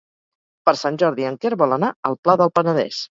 Per Sant Jordi en Quer vol anar al Pla del Penedès.